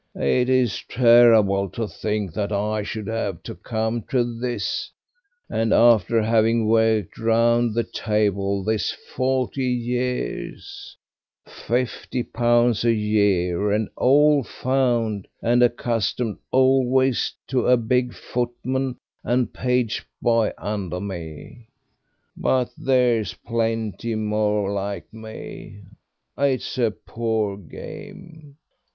It's terrible to think that I should have to come to this and after having worked round the table this forty years, fifty pounds a year and all found, and accustomed always to a big footman and page boy under me. But there's plenty more like me. It's a poor game.